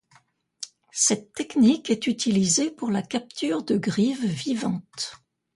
Cette technique est utilisée pour la capture de grives vivantes.